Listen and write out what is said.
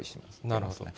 なるほど。